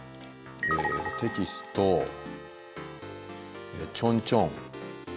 えっとテキストちょんちょん